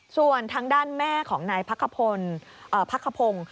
ส่วนทางด้านแม่ของนายพักขพงศ์